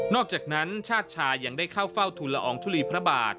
อกจากนั้นชาติชายังได้เข้าเฝ้าทุนละอองทุลีพระบาท